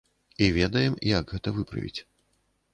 І ведаем, як гэта выправіць.